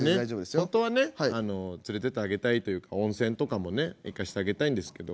本当はねあの連れてってあげたいというか温泉とかもね行かしてあげたいんですけど。